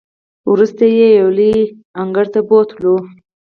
وروسته یې یوې لویې انګړ ته بوتللو.